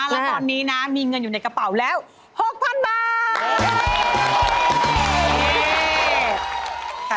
แล้วตอนนี้นะมีเงินอยู่ในกระเป๋าแล้ว๖๐๐๐บาท